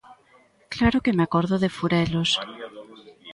Claro que me acordo de Furelos.